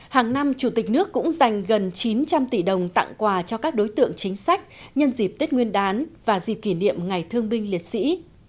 hàng năm chủ tịch nước cũng dành gần chín trăm linh tỷ đồng tặng quà cho các đối tượng chính sách nhân dịp tết nguyên đán và dịp kỷ niệm ngày thương binh liệt sĩ